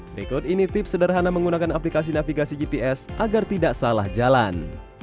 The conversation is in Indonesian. berikut ini tips sederhana menggunakan aplikasi navigasi gps agar tidak salah jalan